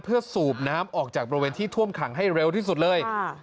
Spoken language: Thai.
เพื่อสูบน้ำออกจากบริเวณที่ท่วมขังให้เร็วที่สุดเลย